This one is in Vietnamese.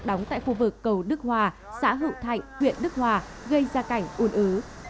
đóng tại khu vực cầu đức hòa xã hữu thạnh huyện đức hòa gây ra cảnh un ứ